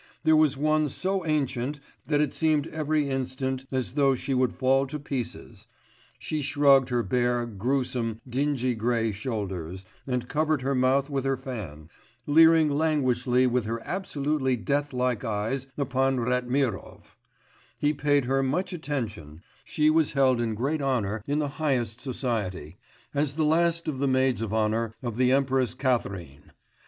There was one so ancient that it seemed every instant as though she would fall to pieces: she shrugged her bare, gruesome, dingy grey shoulders, and, covering her mouth with her fan, leered languishingly with her absolutely death like eyes upon Ratmirov; he paid her much attention; she was held in great honour in the highest society, as the last of the Maids of Honour of the Empress Catherine.